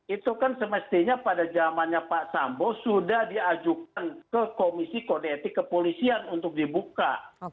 itu kan semestinya pada zamannya pak sambo sudah diajukan ke komisi kode etik kepolisian untuk dibuka